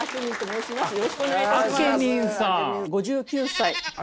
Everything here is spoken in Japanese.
５９歳。